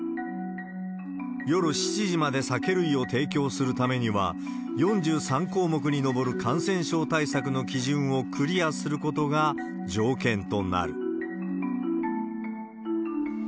夜７時まで酒類を提供するためには、４３項目に上る感染症対策の基準をクリアすることが条件となる。